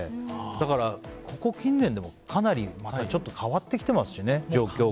だから、ここ近年でもまたかなり変わってきてますしね状況が。